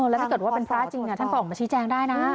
แล้วถ้าเกิดว่าเป็นพระจริงท่านก็ออกมาชี้แจงได้นะ